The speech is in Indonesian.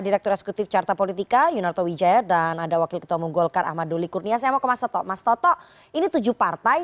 mas toto ini tujuh partai